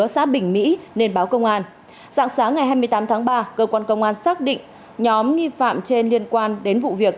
sáng sáng ngày hai mươi tám tháng ba cơ quan công an xác định nhóm nghi phạm trên liên quan đến vụ việc